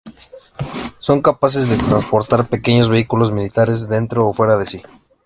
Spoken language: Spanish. Son capaces de transportar pequeños vehículos militares dentro o fuera de sí.